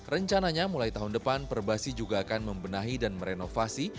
rencananya mulai tahun depan perbasi juga akan membenahi dan merenovasi